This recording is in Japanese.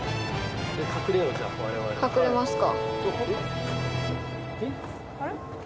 隠れますか。